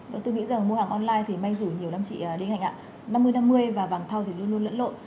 tôi nghĩ rằng mua hàng online thì may dù nhiều năm chị đến hành ạ năm mươi năm mươi và vàng thâu thì luôn luôn lẫn lộn